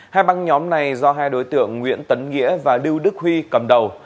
hai băng nhóm này do hai đối tượng nguyễn tấn nghĩa và lưu đức huy cầm đầu